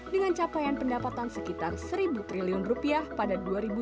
dengan capaian pendapatan sekitar satu triliun rupiah pada dua ribu sembilan belas